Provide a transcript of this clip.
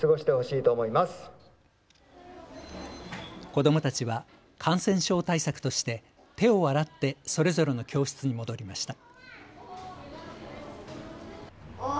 子どもたちは感染症対策として手を洗ってそれぞれの教室に戻りました。